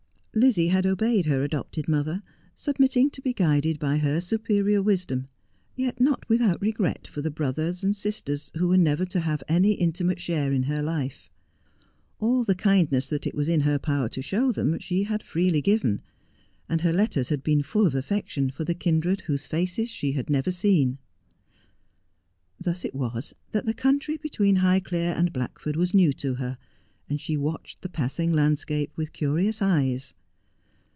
Lizzie had obeyed her adopted mother, submitting to be guided by her superior wisdom, yet not without regret for the brothers and sisters who were never to have any intimate share in her life. All the kindness that it was in her power to show them she had freely given, and her letters had been full of affec tion for the kindred whose faces she had never seen. Thus it was that the country between Highclere and Black ford was new to her, and she watched the passing landscape with curious eyes.